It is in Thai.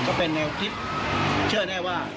ก็เป็นแนวคิดเชื่อแน่ว่า